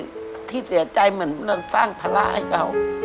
ที่เสียใจเหมือนสร้างภาระให้เขา